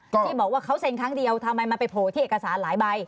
ที่บอกว่าเขาเซ็นครั้งเดียวทำไมมันไปโผล่ที่เอกสารหลายใบ